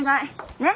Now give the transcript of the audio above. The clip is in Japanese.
ねっ？